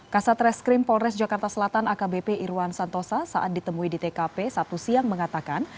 kasat reskrim polres jakarta selatan akbp irwan santosa saat ditemui di tkp satu siang mengatakan